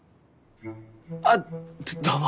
あどうも。